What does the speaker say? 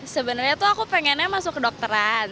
sebenarnya tuh aku pengennya masuk kedokteran